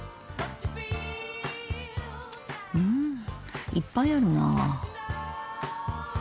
うんいっぱいあるなあ。